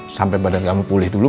sampai pada kamu pulih dulu